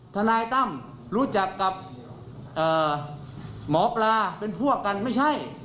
ทนายตั้มรู้จักกับหมอปลาเป็นพวกกันไม่ใช่